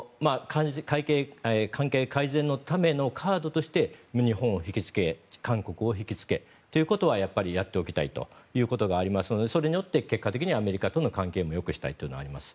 関係改善のためのカードとして日本を引きつけ韓国を引きつけということはやっておきたいというのがありますのでそれによって結果的にアメリカとの関係をよくしたいというのはあります。